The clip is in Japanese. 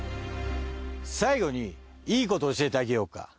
最後にいいこと教えてあげようか？